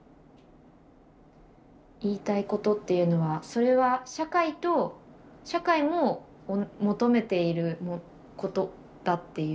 言いたいことっていうのはそれは社会と社会も求めていることだっていう。